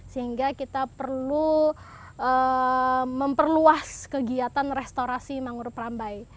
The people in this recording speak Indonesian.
sehingga kita perlu memperluas kegiatan restorasi mangrove rambai